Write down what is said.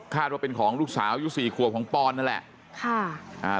ว่าเป็นของลูกสาวอายุสี่ขวบของปอนนั่นแหละค่ะอ่า